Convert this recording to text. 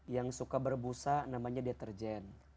yang suka berbusa namanya deterjen